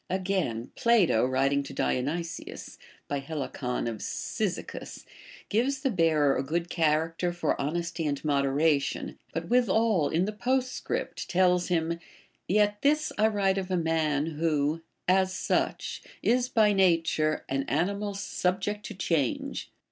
Again, Ph\to writing to Dionysius, by llehcon of Cyzicus, gives the bearer a good character for honesty and moderation, but withal in the postscript tells him, Yet this I Avrite of a man, Avho, as such, is by nature an animal subject to change.